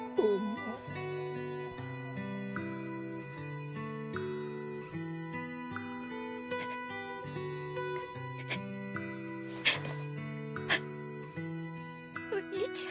うっお兄ちゃん。